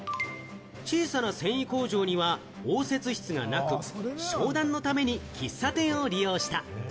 小さな繊維工場には応接室がなく、商談のために喫茶店を利用した。